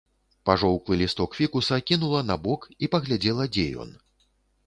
Пажоўклы лісток фікуса кінула набок і паглядзела, дзе ён.